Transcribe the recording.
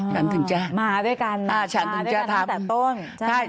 กันถึงจะมาด้วยกันอ่าฉันถึงจะทำมาด้วยกันตั้งแต่ต้นใช่